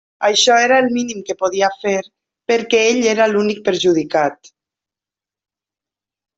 Això era el mínim que podia fer, perquè ell era l'únic perjudicat.